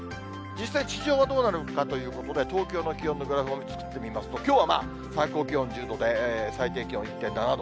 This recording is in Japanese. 実際、地上はどうなるのかということで、東京の気温のグラフを見てみますと、きょうは最高気温１０度で、最低気温１．７度。